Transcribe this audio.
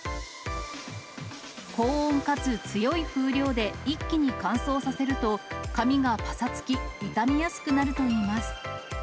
高温かつ強い風量で一気に乾燥させると髪がぱさつき、傷みやすくなるといいます。